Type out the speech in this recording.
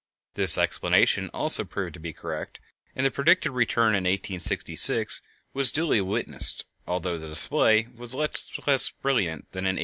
This explanation also proved to be correct, and the predicted return in 1866 was duly witnessed, although the display was much less brilliant than in 1833.